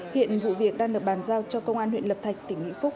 hiện vụ việc đang được bàn giao cho công an huyện lập thạch tỉnh vĩnh phúc